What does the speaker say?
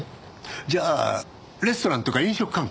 じゃあレストランとか飲食関係？